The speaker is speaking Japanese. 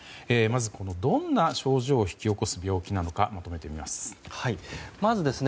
まず、どんな症状を引き起こす病気なのかまとめてみます。